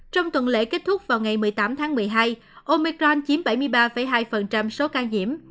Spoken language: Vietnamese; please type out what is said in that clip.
trong tuần lễ kết thúc vào ngày một mươi tám tháng một mươi hai omecron chiếm bảy mươi ba hai số ca nhiễm